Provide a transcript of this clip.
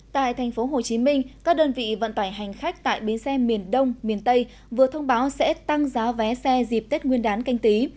tại thành phố hồ chí minh các đơn vị vận tải hành khách tại bến xe miền đông miền tây vừa thông báo sẽ tăng giá vé xe dịp tết nguyên đán canh tí